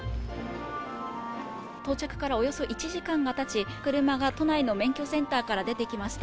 到着からおよそ１時間がたち、車が都内の免許センターから出てきました。